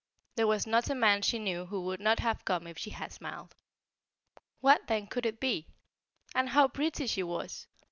There was not a man she knew who would not have come if she had smiled. What, then, could it be? And how pretty she was!